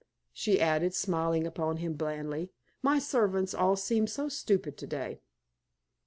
she added, smiling upon him blandly. "My servants all seem so stupid to day."